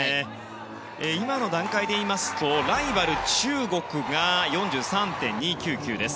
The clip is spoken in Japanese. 今の段階で言いますとライバル中国が４３．２９９です。